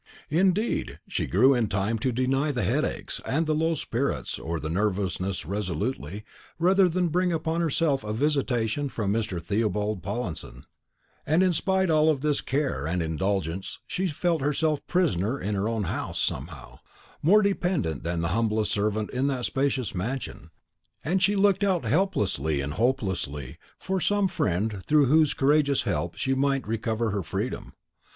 Indeed, she grew in time to deny the headaches, and the low spirits, or the nervousness resolutely, rather than bring upon herself a visitation from Mr. Theobald Pallinson; and in spite of all this care and indulgence she felt herself a prisoner in her own house, somehow; more dependent than the humblest servant in that spacious mansion; and she looked out helplessly and hopelessly for some friend through whose courageous help she might recover her freedom.